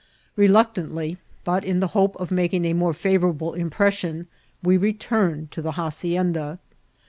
Keluctantly, but in the hope of making a more favourable impression, we returned to the hacienda.